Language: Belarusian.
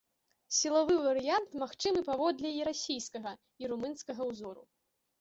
Сілавы варыянт магчымы паводле і расійскага, і румынскага ўзораў.